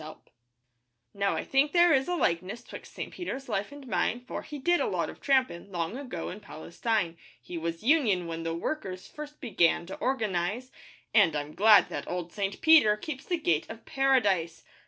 SAINT PETER Now, I think there is a likeness 'Twixt St. Peter's life and mine, For he did a lot of trampin' Long ago in Palestine. He was 'union' when the workers First began to organise, And I'm glad that old St. Peter Keeps the gate of Paradise.